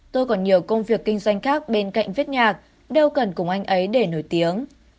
tôi còn nhiều công việc kinh doanh khác bên cạnh viết nhạc đều cần cùng anh ấy để nổi tiếng